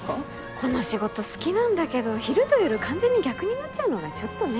この仕事好きなんだけど昼と夜完全に逆になっちゃうのがちょっとね。